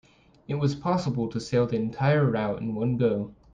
It was possible to sail the entire route in one go.